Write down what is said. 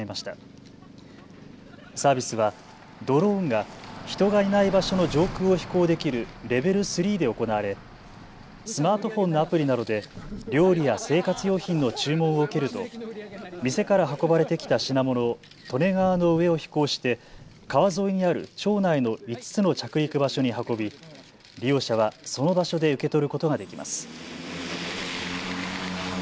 このサービスはドローンが人がいない場所の上空を飛行できるレベル３で行われスマートフォンのアプリなどで料理や生活用品の注文を受けると店から運ばれてきた品物を利根川の上を飛行して川沿いにある町内の５つの着陸場所に運び利用者はその場所で受け取ることができます。